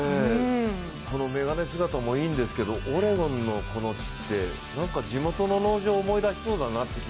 この眼鏡姿もいいんですけどオレゴンのこの地ってなんか地元の農場を思い出しそうだなって。